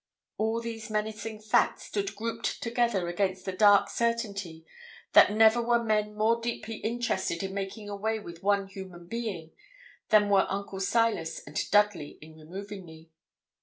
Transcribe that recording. All these menacing facts stood grouped together against the dark certainty that never were men more deeply interested in making away with one human being, than were Uncle Silas and Dudley in removing me.